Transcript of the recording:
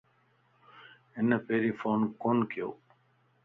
ھن پيرين فون ڪون ڪيو.